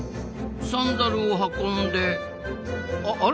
サンダルを運んであれ？